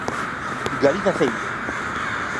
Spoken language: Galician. Galiza ceibe!